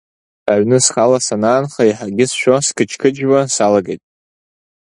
Аҩны схала санаанха еиҳагьы сшәо, сқьыџьқьыџьуа салагеит.